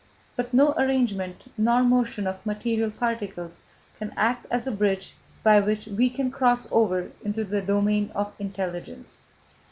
But no arrangement nor motion of material particles can act as a bridge by which we can cross over into the domain of intelligence....